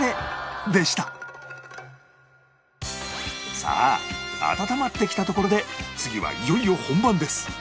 さあ温まってきたところで次はいよいよ本番です